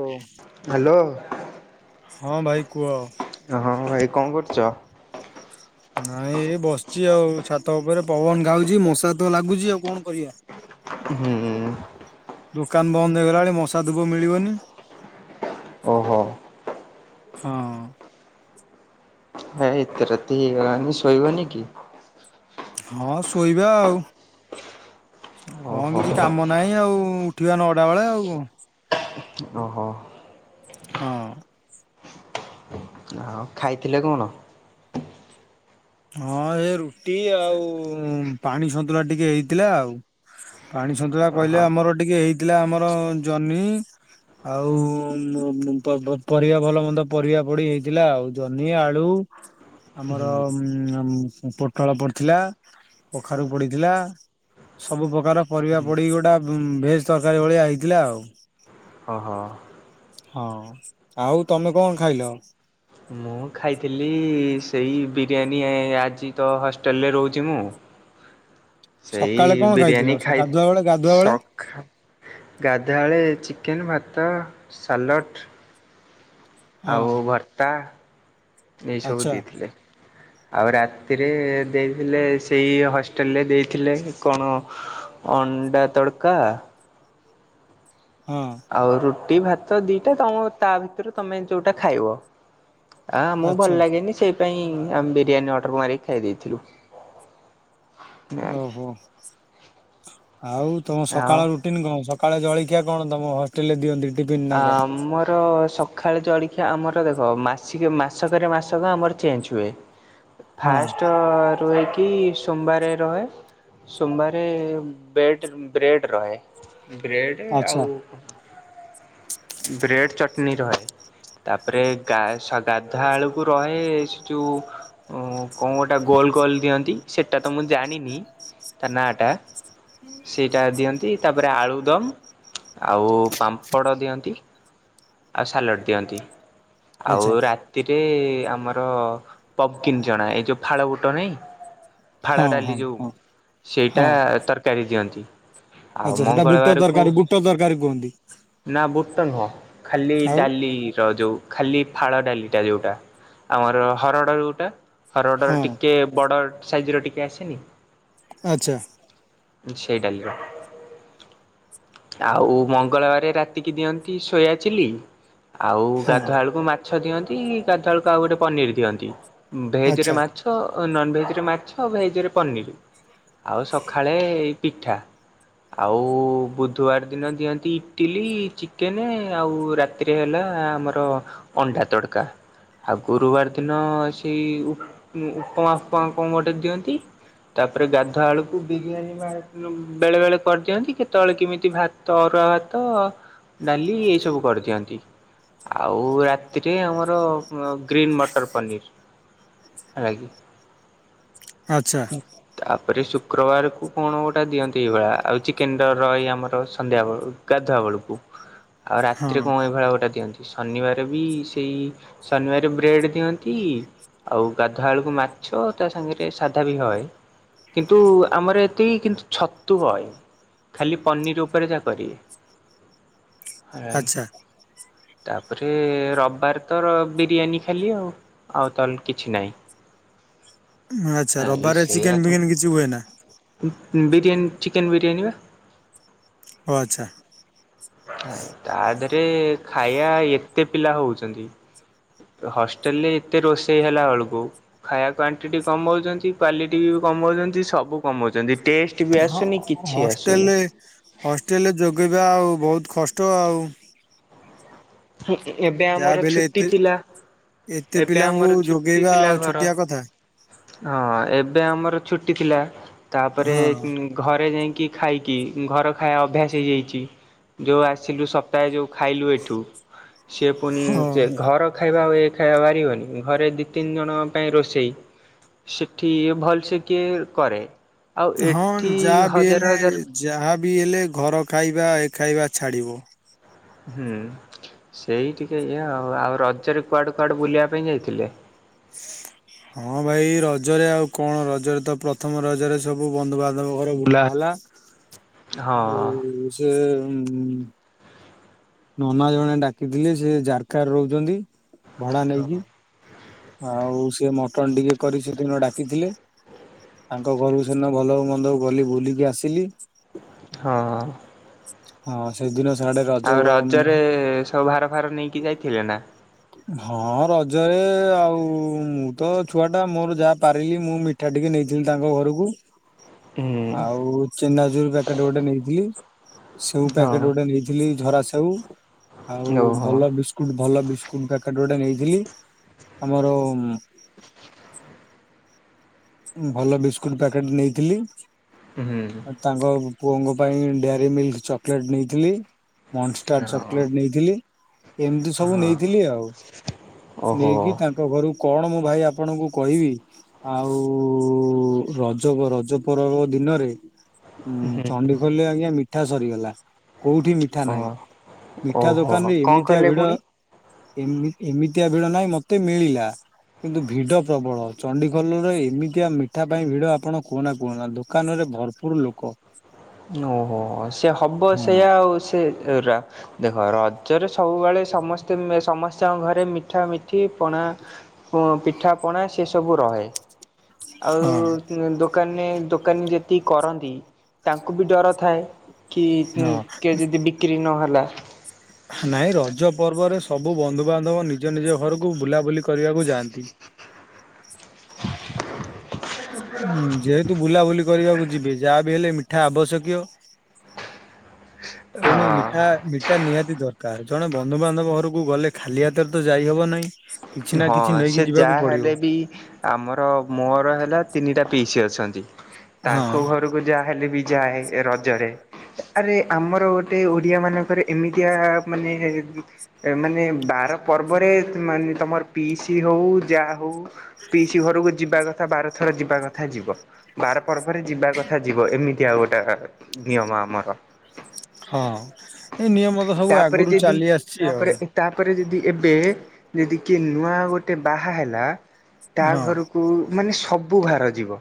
ଓ hello. ହଁ ଭାଇ କୁହ। ହଁ ଭାଇ କଣ କରୁଚ? ନାଇଁ ଏ ବସ୍ଚି ଆଉ ଛାତ ଉପରେ ପବନ ଗାଉଚି ମଶାତ ଲାଗୁଚି ଆଉ କଣ କରିବା। ହୁଁ। ଦୋକାନ୍ ବନ୍ଦ ହେଇଗଲାଣି ମଶା ଧୁପ ମିଳିବନି। ଓହୋ। ହଁ। ହେ ଏତ ରାତି ହେଇଗଲାଣିି ଶୋଇବନି କି? ହଁ ଶୋଇବା ଆଉ, ହଁ ଓହୋ କିଛି କାମ ନାହିଁ ଆଉ ଉଠିବା ନଅଟା ବେଳେ ଆଉ କଣ ଅ ହୋ। ହଁ। ଆଉ ଖାଇଥିଲେ କଣ? ହଁ ଏ ରୁଟି ଆଉ ପାଣି ସନ୍ତୁଳା ଟିକେ ହେଇଥିଲା ଆଉ, ପାଣି ସନ୍ତୁଳା ଓହୋ କହିଲେ ଆମର ଟିକେ ହେଇଥିଲା ଆମର ଜହ୍ନି ଆଉ ପ ପ ପରିବା ଭଲ ମନ୍ଦ ପରିବା ପଡି ହେଇଥିଲା ଆଉ ଜହ୍ନି, ଆଳୁ ହୁଁ ଆମର ଉ ପୋଟଳ ପଡିଥିଲା, କଖାରୁକୁ ପଡିଥିଲା, ସବୁ ପ୍ରକାର ପରିବା ହୁଁ ପଡିକି ଗୋଟେ ଭେଜେ ତରକାରି ଭଳିଆ ହେଇଥିଲା ଆଉ, ହଁ ହଁ। ହଁ ଆଉ ତମେ କଣ ଖାଇଲ? ମୁଁ ଖାଇଥିଲି ସେଇ ବିରିୟାନୀ ଆଜି ତ ହଷ୍ଟେଲରେ ରହୁଛି ମୁଁ। ସେଇ ସକାଳେ କଣ ଖାଇଥିଲ ବିରିୟାନୀ ସ- ଖାଇ ଗାଧୁଆ ବେଳେ ଗାଧୁଆ ବେଳେ ଶ ଗାଧେଇଲା ବେଳେ ଚିକେନ୍, ଭାତ, ସାଲଟ ହଁ ଆଉ ଭର୍ତ୍ତା ଏସବୁ ଆଚ୍ଛା ଦେଇଥିଲେ। ଆଉ ରାତିରେ ଦେଇଥିଲେ ସେଇ ହଷ୍ଟେଲରେ ଦେଇଥିଲେ କଣ, ଅଣ୍ଡା ତଡକା ହଁ। ଆଉ ରୁଟି, ଭାତ ଦିଟା ତା ତା ଭିତରୁ ତମେ ଯୋଉଟା ଖାଇବ। ଆ ଆମକୁ ଆଚ୍ଛା ଭଲ ଲାଗେନି ସେଇ ପାଇଁ ଆମେ ବିରିୟାନୀ ଅର୍ଡର ମାରିକି ଖାଇ ଦେଇଥିଲୁ। ଓହୋ ଆଉ ତମ ଆଉ ସକାଳ ରୁ ଟିନ୍ କଣ ସକାଳେ ଜଳଖିଆ କଣ ତମ ହସ ଟେଲେ ଦିଅନ୍ତି ଟିଫନ୍ ଆମର ସ ଖାଲେ ଜଳଖିଆ ଆମର ଦେଖ ମାସି ମାସକରେ ମାସକ ଆମର ଚେଞ୍ଜ ହୁଏ। ହଁ ଫାଷ୍ଟ ରୁହିକି ସୋମବାରେ ରହେ ସୋମବାରେ ବେଡ଼ ବ୍ରେଡ଼୍ ରହେ। ବ୍ରେଡ଼ ଆଚ୍ଛା ଆଉ ବ୍ରେଡ଼ ଚଟଣି ରହେ। ତାପରେ ଗା ଗାଧୁଆ ଆଳୁକୁ ରହେ ସେ ଯୋଉ ଓ କଣ ଗୋଟେ ଗୋଲ ଗୋଲ ଦିଅନ୍ତି ସେଟା ତ ମୁଁ ଜାଣିନି ତା ନାଁ ଟା ସେଇଟା ଦିଅନ୍ତି ତାପରେ ଆଳୁ ଦମ ଆଉ ପାମ୍ପଡ଼ ଦିଅନ୍ତି। ଆଉ ସାଲଡ଼ ଦିଅନ୍ତି ଆଉ ଆଚ୍ଛା ରା ତିରେ ଆମର ପବକିନ୍ ଚଣା ଏଇ ଯୋଉ ଫାଳ ବୁଟ ନାଇଁ ଫାଳ ହଁ ଡାଲି ହଁ ଯୋଉ ହଁ ସେଇଟା ହଁ। ତରକାରୀ ଦିଅନ୍ତି। ଆଉ ଆଚ୍ଛା। ସେଟା ବୁଟ ତରକାରୀ ବୁଟ ତରକାରୀ କୁହନ୍ତି। ନାଇ ବୁଟ ନୁହଁ ଖାଲି ଆଉ ଡାଲି ର ଯୋଉ ଖାଲି ଫାଳ ଡାଲିଟା ଯୋଉଟା ଆମର ହରଡ ଯୋଉଟା ହଁ ହରଡର ଟିକେ ବଡ ସାଇଜ ର ଟିକେ ଆସେନି ଆଚ୍ଛା। ସେଇ ଡାଲି ଆଉ ମଙ୍ଗଳବାର ରାତିକି ଦିଅନ୍ତି ସୋୟା ଚିଲି ଆଉ ହଁ ଗାଧୁଆ ବେଳକୁ ମାଛ ଦିଅନ୍ତି ଗାଧୁଆଳକୁ ଆଉ ଗୋଟେ ପନିର ଦିଅନ୍ତି। ଭେଜରେ ଆଚ୍ଛା ମାଛ ନନ୍ ଭେଜେର ମାଛ ଭେଜରେ ପନିରି ଆଉ ସକା ଖାଳେ ପିଠା। ଆଉ ବୁଧବାର ଦିନ ଦିଅନ୍ତି ଇଟିଲି ଚିକେନେ ଆଉ ରା ରାତିରେ ହେଲା ଆମର ଅଣ୍ଡା ତଡକା। ଆଉ ଗୁରୁବାର ଦିନ ସେଇ ଉ ଉପମା ଫୁପମା କଣ ଗୋଟେ ଦିଅନ୍ତି। ତାପରେ ଗାଧୁଆଳୁ ବିରିୟାନୀ ବେଳେ ବେଳେ କରିଦିଅନ୍ତି, କେତେବେଳେ କେମିତି ଭାତ ଅରୁଆ ଭାତ ଡାଲି ଏଇ ସବୁ କରିଦିଅନ୍ତି, ଆଉ ରା ସେଥିରେ ଆମର ଗ୍ରୀନ୍ ମଟର ପନିର୍ ହେଲାକି? ଆଛା। ତାପରେ ସୁ ଶୁକ୍ରବାରକୁ କଣ ଗୋଟା ଦିଅନ୍ତି ଏଇଭଳିଆ, ଆଉ ଚିକେନ ତ ରଇ ଆମର ସନ୍ଧ୍ୟାବେେଳକୁ ଗାଧୁଆ ବେଳକୁ। ଆଉ ହଁ ରାତିରେ କଣ ଏଇଭଳା ଗୋଟେ ଦିଅନ୍ତି। ଶନିବାର ବି ସେଇ ଶନିବାର ବ୍ରେଡ଼୍ ଦିଅନ୍ତି ଇ ଆଉ ଗାଧୁଆଳକୁ ମାଛ ତା ସାଙ୍ଗରେ ସାଧା ବି ହଏ। ତୁ ଆମର ଏତିକି କିନ୍ତୁ ଛତୁ ହଏନି, ଖାଲି ପନିର ଉପରେ ଯା କରିବେ। ହାଇ। ଆଚ୍ଛା ତାପରେ ରବିବାର ତର ବିରିୟାନୀ ଖାଲି ଆଉ। ଆଉ ତାହେଲେ କିଛି ନାଇ। ଆଛା, ରବାରରେ ଚିକେନ୍ ଫିକେନ କିଛି ହୁଏନା? ବିରିୟାନୀ ଚିକେନ ବିରିୟାନି ବା। ଓ ଆଛା। ତା ଦେହରେ ଖାଇଆ ଏତେ ପିଲା ହଉଛନ୍ତି। ହଷ୍ଟେଲ ରେ ଏତେ ରୋଷେଇ ହେଲା ଏଳକୁ ଖାଇବା କ୍ଵାଣ୍ଟିଟି କମଉଚନ୍ତି, କ୍ୱାଲିଟୀ ବି କମଉଚନ୍ତି, ସବୁ କମଉଚନ୍ତି, ଟେଷ୍ଟ ବି ହଁ ଆସୁନି ହଁ କିଛି ଆସୁନି ହଷ୍ଟେଲରେ ହଷ୍ଟେଲରେ ଯୋଗେଇବା ଆଉ ବହୁତ କଷ୍ଟ ଆଉ [inaudible] ଏବେ ଯାହା ଆମର ବି ହେଲେ ଛୁଟି ଏତେ ଥିଲା, ଏତେ ଏବେ ପିଲାଙ୍କୁ ଆମର ଛୁଟି ଯୋଗେଇବା ଥିଲା ଆଉ ଘର ଛୋଟିଆ କଥା ହଁ ଏବେ ଆମର ଛୁଟି ଥିଲା, ତା ପରେ ହଁ ଘରେ ଯାଇଁକି ଖାଇକି, ଘର ଖାଇବା ଅଭ୍ୟାସ ହେଇଯାଇଚି। ଯଉ ଆସିଲୁ ସପ୍ତାହେ ଯୋଉ ଖାଇଲୁ ଏଠୁ, ସେ ପୁଣି ହଁ ଘର ଖାଇବା ଆଉ ଏ ଖାଇବା ବାରିବନି, ଘରେ ଦିଇ ତିନି ଜଣଙ୍କ ପାଇଁ ରୋଷେଇ। ସେଠି ଭଲସ କିଏ କରେ, ଆଉ ଏଠି ହ ଯାହାବି ହେଲେ ଘର ଖାଇବା ଏ ଖାଇବା ଛାଡ଼ିବ। ହୁଁ ସେଇ ଟିକେ ଇଏ ଆଉ, ଆଉ ରଜରେ କୁଆଡ଼େ କୁଆଡେ ବୁଲିବା ପାଇଁ ଯାଇଥିଲେ? [inaudible] ହଁ ଭାଇ ରଜରେ ଆଉ କଣ ରଜରେ ତ ପ୍ରଥମ ରଜରେ ସବୁ ବନ୍ଧୁବାନ୍ଧବ ଘର ବୁଲାହେଲା। [inaudible] ଆଉ ସେ ଉମ ଉଁ ନନା ଜଣେ ଡାକିଥିଲେ, ସେ ଜାରକା ରହୁଛନ୍ତି ଭଡା ହଁ। ନେଇକି। ଆଉ ସେ ମଟନ୍ ଟିକେ କରି ସେଦିନ ଡାକିଥିଲେ। ତାଙ୍କ ଘରୁ ସେଦିନ ଭଲ ହଉ ମନ୍ଦ ହଉ ଗଲି ବୁଲିକି ଆସିଲି। ହଁ ଅଁ ହଁ, ସେଦିନ ସଆଡେ ରଜ ଆଉ ଗ ରଜରେ ସବୁ ଭାର ଫାର ନେଇକି ଯାଇଥିଲେ ନା? ହଁ ରଜରେ ଆଉ ମୁଁ ତ ଛୁଆ ଟା ମୋର ଯାହା ପାରିଲି ମିଠା ଟିକେ ନେଇଥିଲ ତାଙ୍କ ଘରକୁ। [inaudible] ଆଉ ଚେନାଚୁର ପ୍ୟାକେଟ ଗୋଟେ ନେଇଥିଲି। ସେଉ ହଁ ପ୍ୟାକେଟ ଗୋଟେ ନେଇଥିଲି ଝରା ସେଉ, ଆଉ ଓହୋ ଭଲ ବିସ ଭଲ ବିସ୍କୁଟ ପ୍ୟାକେଟ ଗୋଟେ ନେଇଥିଲି ଆମର ଭଲ ବିସ୍କୁଟ ପ୍ୟାକେଟ୍ ନେଇଥିଲି। ହୁଁ ହୁଁ। ତାଙ୍କ ପୁଅଙ୍କ ପାଇଁ ଡାଏରୀ ମିଲ୍କ ଚକୋଲେଟ ନେଇଥିଲି। ମନଷ୍ଟାର ହଁ। ଚକଲେଟ୍ ନେଇଥିଲି। ଏମିତି ସବୁ ହଁ ନେଇଥିଲି ଆଉ ଓହୋ ନେଇକି ତା ଙ୍କ ଘରୁ କଣ ମୁଁ ଭାଇ ଆପଣଙ୍କୁ କହିବି। ଆଉ ରଜ ରଜ ପରବ ଦିନରେ ହୁଁ ହୁଁ ଚଣ୍ଡି ଖୋଲଲେ ଆଜ୍ଞା ମିଠା ସରିଗଲା କୋଉଠି ମି ଠା ଓ ନାଇଁ ମିଠା ଓହୋ ଦୋକାନରେ କଣ ଏମିତିଆ କଲେ ଭିଡ ପୁଣି? ଇମି ଏମିତିଆ ଭିଡ ନାହିଁ ମତେ ମିଳିଲା। କିନ୍ତୁ ଭିଡ ପ୍ରବଳ ଚଣ୍ଡିଖୋଲରୁ ତ ଏମିତିଆ ମିଠା ପାଇଁ ଭିଡ ଆପଣ କୁହନା କୁହନା ଦୋକାନରେ ଭରପୁର ଲୋକ। ଓହୋ ସେ ହବ ହଁ ସେଇୟା ଆଉ ସେ ଏରା ଦେଖ ରଜରେ ସବୁବେଳେ ସମସ୍ତେ ଏ ସମସ୍ତଙ୍କ ଘରେ ମିଠା ମି ଠି ପଣା ପ ପିଠା ପଣା ସେସବୁ ରହେ ଆଉ ହଁ ଉଁ ଦୋକାନେ ଦୋକାନୀ ଯେତିକି କରନ୍ତି। ତାଙ୍କୁ ବି ଡର ଥାଏ କି କି ହଁ ଏ ଯଦି ବିକ୍ରି ନହେଲା। ନାଇଁ ରଜ ପର୍ବରେ ସବୁ ବନ୍ଧୁବାନ୍ଧବ ନିଜ ନିଜ ଘରକୁ ବୁଲାବୁଲି କରିବାକୁ ଯାଆନ୍ତି। ହୁଁ ଯେହେତୁ ବୁଲାବୁଲି କରିବାକୁ ଯିବେ ଯାହା ବିି ହେଲେ ମିଠା ଆବଶ୍ୟକୀୟ। ତେଣୁ ହଁ ମିଠା ମି ଏଟା ନିହାତି ଦରକାର ଜଣେ ବନ୍ଧୁବାନ୍ଧବ ଘରକୁ ଗଲେ ଖାଲି ହାତରେ ତ ଯାଇହବ ନାହିଁ। କିଛି ନା ହଁ କିଛି ନେଇକି ସେ ଯିବାକୁ ଯାହା ପଡିବ ହେଲେ ବି ଆମର ମୋର ହେଲା ତିନିଟା ପିଇସି ଅଛନ୍ତି ହଁ ତାଙ୍କ ଘରକୁ କୁ ଯା ହେଲେ ବି ଯାଏ ରଜରେ। ଆରେ ଆମର ଗୋଟେ ଓଡିଆ ମାନଙ୍କର ଏମିତିଆ ମାନେ ମାନେ ବାର ପର୍ବରେ ଅ ମାନେ ତମର ପିଇସି ହଉ ଯା ହଉ ପିଇସି ଘରକୁ ଯିବା କଥା ବାର ଥର ଯିବା କଥା ଯିବ। ବାର ପର୍ବ ରେ ଯିବା କଥା ଯିବ ଏମିତିଆ ଗୋଟା ନିୟମ ଆମର। ହଁ ଏଇ ନିୟମ ତ ସବୁ ତାପରେ ଆଗରୁ ଯଦି ଚାଲି ଆସିଚି ଆଉ। ତାପରେ ତାପରେ ଜେଦି ଏବେ ଯେଦି କିଏ ନୂଆ ଗୋଟେ ବାହା ହେଲା ତା ହଁ। ଘରକୁ ମାନେ ସବୁ ଭାର ଯିବ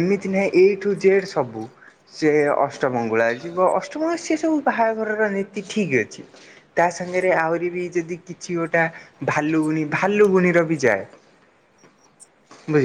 ଏମିତି ନାହିଁ ଏ ଟୁ ଜେଡ୍ ସବୁ। ସେ ଅଷ୍ଟମଙ୍ଗୁଳା ଯିବ ଅଷ୍ଟମଙ୍ଗଳା ସେ ସବୁ ବାହାଘରର ନୀତି ଠିକ୍ ଅଛି। ତା ସାଙ୍ଗରେ ଆହୁରି ବି ଜେଦୀ କିଛି ଗୋଟା ଭାଲୁଗୁଣି ଭାଲୁ ଗୁଣିର ବି ଯାଏ।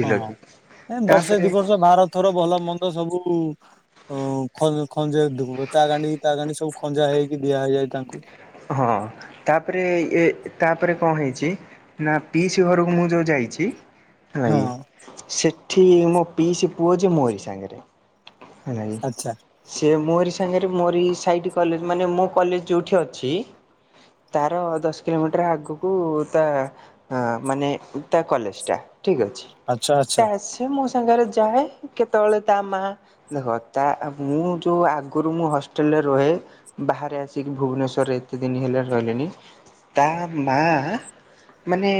ହଁ କି ଏ ବର୍ଷେ ତାପରେ ଦି ବର୍ଷ ଭାର ଥୋର ଭଲ ମନ୍ଦ ସବୁ ଓ ଖ ଖଞ୍ଜା ତା ଗାଣ୍ଡୀ ତା ଗାଣ୍ଡୀ ସବୁ ଖଞ୍ଜା ହେଇକି ଦିଆ ହେଇଯାଏ ତାଙ୍କୁ। ହଁ ତାପରେ ଏ ତାପରେ କଣ ହେଇଚି ନା ପିଇସି ଘରକୁ ମୁଁ ଯୋଉ ଜାଇଚି ହଁ ନାଇଁ ସେଠି ମୋ ପିଇସି ପୁଅ ଯେ ମୋରି ସାଙ୍ଗରେ ନାଇଁ ଆଚ୍ଛା ସେ ମୋରି ସାଙ୍ଗରେ ମୋରି ସାଇଟ୍ କଲେଜ୍ ମାନେ ମୋ କଲେଜ୍ ଯୋଉଠି ଅ ଛି ତାର ଦଶ କିଲୋମିଟର ଆଗକୁ ତା ହଁ ମାନେ ତା କଲେଜ୍ ଟା ଠିକ ଅଛି ଆଚ୍ଛା ଆଚ୍ଛା ସେ ଆସି ସେ ମୋ ସାଙ୍ଗରେ ଯାଏ କେତେବେଳେ ତା ମା ଦେଖ ତା ମୁଁ ଯୋଉ ଆଗରୁ ମୁଁ ହଷ୍ଟେଲରେ ରହେ ବାହାରେ ଆସିକି ଭୁବନେଶ୍ଵ ରରେ ଏତେ ଦିନ ହେଲା ରହିଲେଣି ତା ମା ମାନେ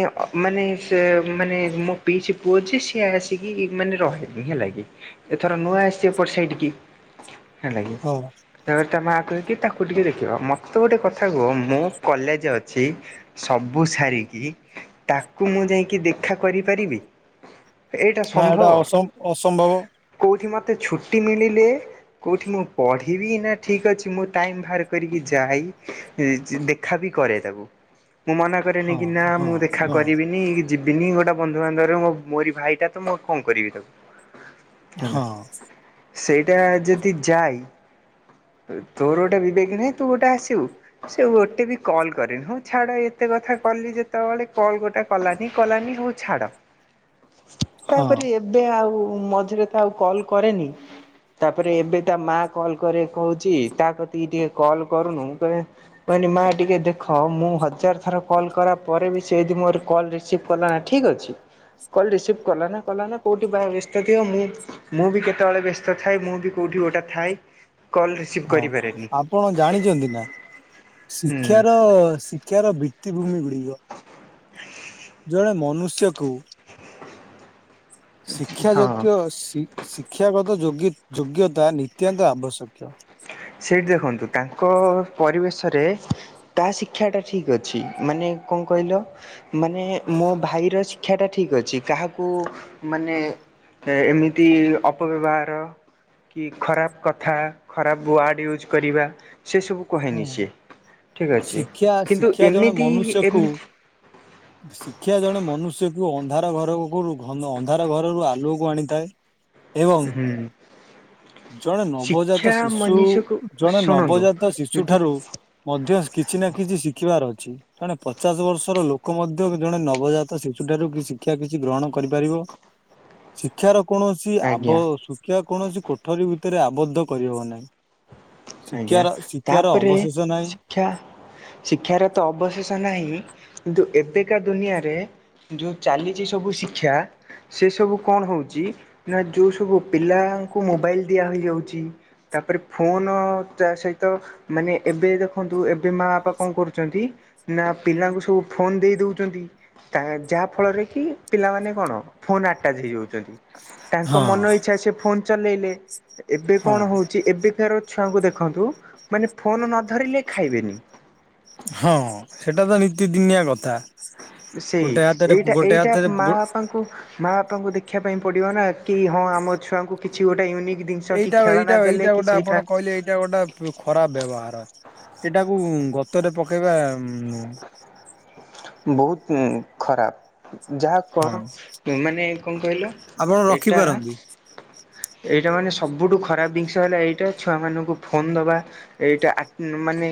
ମାନେ ସେ ମାନେ ମୋ ପିଇସି ପୁଅ ଯେ ସିଏ ଆସିକି ମାନେ ରହେ ହେଲାଗି ଏଥର ନୂଆ ଆସିଚି ଏପଟ ସାଇଟ୍ କି ହେଲାଗି ହଁ ତାପରେ ତା ମା କହେ କି ତାକୁ ଟିକେ ଦେଖିବ ମ ତେ ଗୋଟେ କଥା କୁହ ମୋ କଲେଜ ଅଛି ସବୁ ସାରିକି ତାକୁ ମୁଁ ଯାଇକି ଦେଖା କରିପାରିବି। ଏଇଟା ନା ସମ୍ଭବ ଏଟା ଅସମ୍ ଅସମ୍ଭବ। କୋଉଠି ମତେ ଛୁଟି ମିଳିଲେ କୋଉଠି ମୁଁ ପଢ଼ିବି ନା ଠିକ୍ ଅଛି ମୁଁ ଟାଇମ ବାହାର କରିକି ଯାହାଇ ଦେଖା ବି କରେ ତାକୁ। ମୁଁ ମନା କରେନି ହଁ କି ନା ହଁ ମୁଁ ଦେଖା ହଁ କରିବିନି। ଯିବିନି ଗୋଟେ ବନ୍ଧୁବାନ୍ଧବରେ ମୋରି ଭାଇଟା ତ ମୁଁ କଣ କରିବି ତାକୁ? ହଁ [inaudible] ସେଇଟା ଯଦି ଯାଏ ତୋରଟା ବିିବେକ ନାଇଁ ତୁ ଗୋଟେ ଆସିବୁ ସେ ଗୋଟେ ବି କଲ୍ କରେନି ହଁ ଛାଡ ଏତେ କଥା କଲି ଯେ ସେତେବେଳେ କଲ ଗୋଟେ କଲାନି କଲାନି ହଉ ଛାଡ ହଁ ତାପରେ ଏବେ ଆଉ ମଝିରେ ତ ଆଉ କଲ୍ କରେନି। ତାପରେ ଏବେ ତା ମା କଲ କରି କହୁଛି ତା ପ୍ରତିକି ଟିକେ କଲ୍ କରୁନୁ ମୁଁ କହେ କହିଲି ମା ଟିକେ ଦେଖ ମୁଁ ହଜାର ଥର କଲ୍ କରା ପରେ ବି ସେ ଯଦି ମୋର କଲ ରିସିଭ ସିଫନା ଠିକ୍ ଅଛି କଲ୍ ରିସିଭ୍ କଲା ନା କଲା ନା କୋଉଠି ବା ବ୍ୟସ୍ତ ଥିବ ମୁଁ ମୁଁ ବି କେତେବେଳେ ବ୍ୟସ୍ତ ଥାଏ ମୁଁ ବି କୋଉଠି ଗୋଟେ ଥାଏ କଲ ରିସିଭ ହଁ କରିପାରେନି। ଆପଣ ଜାଣିଛନ୍ତି ନା ହୁଁ ଶିକ୍ଷାର ଶିକ୍ଷାର ଭିତ୍ତିଭୂମି ଗୁଡିକ ଜଣେ ମନୁଷ୍ୟକୁ ଶିକ୍ଷା ହଁ ଯୋଗ୍ୟ ସି ଶିକ୍ଷାଗତ ଯୋ ଯୋଗ୍ୟତା ନିତ୍ୟାନ୍ତ ଆବଶ୍ୟକ। ସେଇଠି ଦେଖନ୍ତୁ ତାଙ୍କ ପରିବେଶରେ ତା ଶିକ୍ଷାଟା ଠିକ୍ ଅଛି ମାନେ କଣ କହିଲ? ମାନେ ମୋ ଭାଇର ଶିକ୍ଷାଟା ଠିକ ଅଛି କାହାକୁ ମାନେ ଏମିତି ଅପବ୍ୟବହାର କି ଖରାପ କଥା ଖରାପ ୱାର୍ଡ଼ ୟୁଜ୍ କରିବା। ସେ ସବୁ ହଁ କହେନି ସିଏ ଠିକ୍ ଅଛି ଶିକ୍ଷା କିନ୍ତୁ ଶିକ୍ଷା ଜଣେ ଏମିତି ମନୁଷ୍ୟକୁ ଏମିତି ଶିକ୍ଷା ଜଣେ ମନୁଷ୍ୟକୁ ଅନ୍ଧାର ଘରକୁ ଘନ ଅନ୍ଧାର ଘରରୁ ଆଲୁଅକୁ ଆଣିଥାଏ। ଏବଂ ହୁଁ। ଜଣେ ନବଜାତ ଶିକ୍ଷା ଶିଶୁ ମନୁଷ୍ୟକୁ ଜଣେ ଶୁଣନ୍ତୁ ନବଜାତ ଶିଶୁ ଯଦି ଠାରୁ ମଧ୍ୟ କିଛି ନା କିଛି ଶିଖିବାର ଅଛି। ଜଣେ ପଚାଶ ବର୍ଷର ଲୋକ ମଧ୍ୟ ଜଣେ ନବଜାତ ଶିଶୁ ଠାରୁ କି ଶିକ୍ଷା କିଛି ଗ୍ରହଣ କରିପାରିବ। ଶିକ୍ଷାର କୌଣସି ଆବ ଆଜ୍ଞା ଶିକ୍ଷା କୌଣସି କୋଠରୀ ଭିତରେ ଆବଦ୍ଧ କରିହବ ନାହିଁ। ଆଜ୍ଞା ଶିକ୍ଷାର ଶିକ୍ଷାର ତାପରେ ଅବଶେଷ ନାହିଁ। ଶିକ୍ଷା ଶିକ୍ଷାର ତ ଅବଶେଷ ନାହିଁ କିନ୍ତୁ ଏବେକା ଦୁନିଆରେ ଯୋଉ ଚାଲିଛି ସବୁ ଶିକ୍ଷା ସେ ସବୁ କଣ ହଉଛି ନା ଯୋଉ ସବୁ ପିଲାଙ୍କୁ ମୋବାଇଲ ଦିଆହୋଇଯାଉଛି ତାପରେ ଫୋନ ଚା ସହିତ ମାନେ ଏବେ ଦେଖନ୍ତୁ ଏବେ ମା ବାପା କଣ କରୁଛନ୍ତି? ନା ପିଲାଙ୍କୁ ସବୁ ଫୋନ ଦେଇଦଉଛନ୍ତି। ଯାହା ଫଳରେ କି ପିଲାମାନେ କଣ ଫୋନ ଆଟାଚ ହେଇଯାଉଛନ୍ତି। ତାଙ୍କ ହଁ ମନ ଇଚ୍ଛା ସେ ଫୋନ ଚଲେଇଲେ ଏବେ ହଁ କଣ ହଉଛି ଏବେ ଏବେକାର ଛୁଆଙ୍କୁ ଦେଖନ୍ତୁ ମାନେ ଫୋନ ନ ଧରିଲେ ଖାଇବେନି। ହଁ ସେଟା ତ ନତିଦିନିଆ କଥା। ସେଇ ଗୋଟେ ହାତରେ ଏଇଟା ଗୋଟେ ଏଇଟା ହାତରେ ମା ଫୋ ବାପାଙ୍କୁ ମା ବାପାଙ୍କୁ ଦେଖିବା ପାଇଁ ପଡିବ ନା କି ହଁ ଆମ ଛୁଆଙ୍କୁ କିଛି ଗୋଟେ ୟୁନିକ୍ ଜିନିଷ କି ଏଇଟା ଏଇଟା ଖେଳନା ଦେଲେ ଏଇଟା କି ଗୋଟେ ଆପଣ ସେଇଟା କହିଲେ ଏଇଟା ଗୋଟେ ଖରାପ ବ୍ୟବହାର ଏଇଟାକୁ ଗତରେ ପକେଇବା। ବହୁତ ଉଁ ଖରାପ। ଯାହା ହଁ କର ମାନେ କଣ କହିଲ ଆପଣ ଏଇଟା ରଖିପାରନ୍ତି। ଏଇଟା ମାନେ ସବୁଠୁ ଖରାପ ଜିନିଷ ହେଲା ଏଇଟା ଛୁଆମାନଙ୍କୁ ଫୋନ୍ ଦବା। ଏଇଟା ମାନେ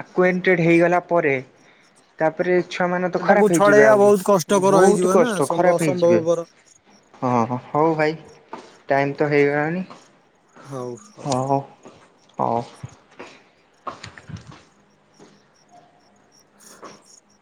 ଆକ୍ୱେଣ୍ଟଟେଡ୍ ହେଇଗଲା ପରେ ତାପରେ ଛୁଆମାନେ ତ ଏଟାକୁ ଖରାପ ହେଇଯିବେ ଛଡେଇବା ଆଉ ବହୁତ କଷ୍ଟକର ହେଇଯିବ ବହୁତ ନା କଷ୍ଟ ସମ୍ଭ ଖରାପ ହେଇଯିବେ। ଅସମ୍ଭବପର ହଁ ହଉ ଭାଇ ଟାଇମ୍ ତ ହେଇଗଲାଣି ହଉ ହଉ। [unintelligible]